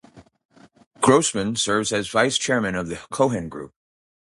Grossman serves as Vice Chairman of the Cohen Group.